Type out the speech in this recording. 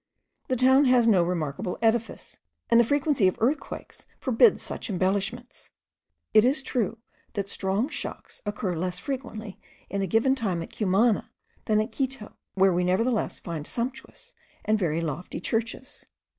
The town has no remarkable edifice, and the frequency of earthquakes forbids such embellishments. It is true, that strong shocks occur less frequently in a given time at Cumana than at Quito, where we nevertheless find sumptuous and very lofty churches.